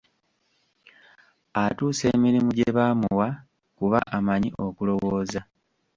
Atuusa emirimu gye baamuwa, kuba amanyi okulowooza.